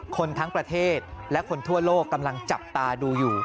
คนทั้งประเทศและคนทั่วโลกกำลังจับตาดูอยู่